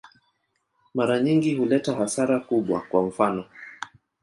Mara nyingi huleta hasara kubwa, kwa mfano.